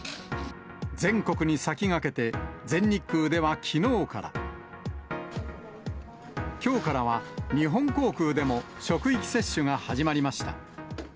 全国に先駆けて、全日空ではきのうから、きょうからは日本航空でも職域接種が始まりました。